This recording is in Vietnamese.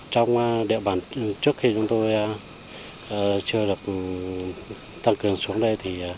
trong địa bàn trước khi chúng tôi chưa được tăng cường xuống đây